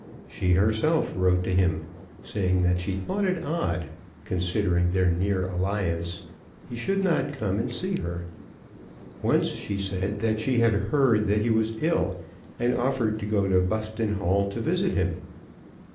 She herself wrote to him saying that she thought it odd that, considering their near alliance, he should not come and see her. Once she said that she had heard that he was ill, and offered to go to Buston Hall to visit him.